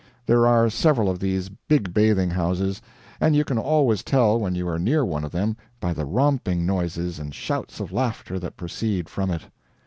There are several of these big bathing houses, and you can always tell when you are near one of them by the romping noises and shouts of laughter that proceed from it.